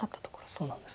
そうなんです。